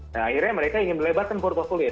nah akhirnya mereka ingin melebarkan portfolio